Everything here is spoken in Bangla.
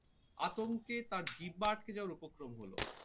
আতঙ্কে তার জিহবা আটকে যাওয়ার উপক্রম হল।